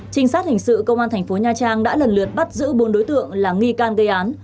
trinh sát hình sự công an thành phố nha trang đã lần lượt bắt giữ bốn đối tượng là nghi can gây án